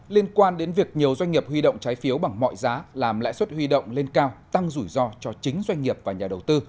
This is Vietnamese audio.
liên quan đến việc nhiều doanh nghiệp huy động trái phiếu bằng mọi giá làm lãi suất huy động lên cao tăng rủi ro cho chính doanh nghiệp và nhà đầu tư